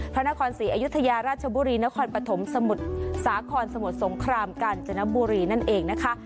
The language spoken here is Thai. พระนครศรีอยุธยาราชบุรีนครปฐมสมุทรสาครสมุทรสงครามกาญจนบุรีนั่นเองนะคะ